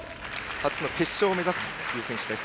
初の決勝を目指すという選手です。